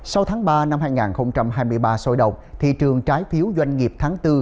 sau tháng ba năm hai nghìn hai mươi ba sôi động thị trường trái phiếu doanh nghiệp tháng bốn